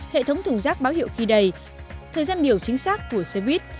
hệ thống thùng rác báo hiệu khi đầy thời gian biểu chính xác của xe buýt